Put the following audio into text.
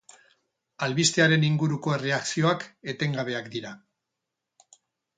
Albistearen inguruko erreakzioak etengabeak dira.